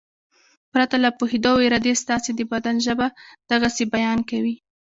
پرته له پوهېدو او ارادې ستاسې د بدن ژبه د غسې بیان کوي.